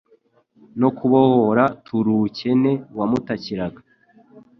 no kubohora turuukene wamutakiraga.